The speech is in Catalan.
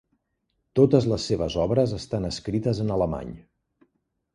Totes les seves obres estan escrites en alemany.